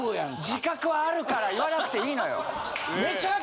自覚はあるから言わなくていいのよ。